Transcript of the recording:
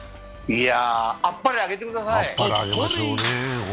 あっぱれあげてください。